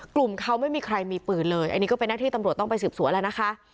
กลุ่มเขาไม่มีใครมีปืนเลยอันนี้ก็เป็นหน้าที่ตำรวจต้องไปสืบสวนแล้วนะคะ